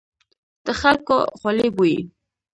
د خلکو خولې بويي.